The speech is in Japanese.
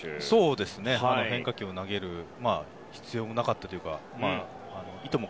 変化球を投げる必要もなかったというかいとも